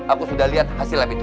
aku sudah lihat hasil lab itu